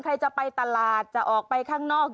ใครจะไปตลาดจะออกไปข้างนอก